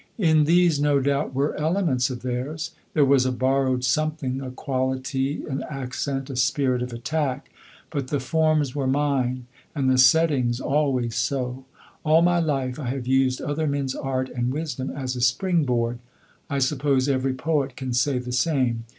In these, no doubt, were elements of theirs; there was a borrowed something, a quality, an accent, a spirit of attack. But the forms were mine, and the setting always so. All my life I have used other men's art and wisdom as a spring board. I suppose every poet can say the same.